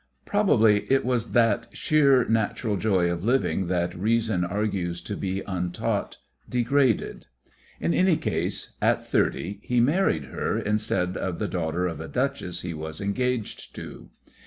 Probably it was that sheer natural joy of living that reason argues to be untaught, degraded. In any case at thirty he married her instead of the daughter of a duchess he was engaged to.